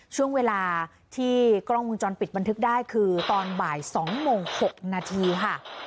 ช่วงเวลาที่กล้องมุมจรปิดบันทึกได้คือตอนบ่าย๒โมง๖นาทีค่ะ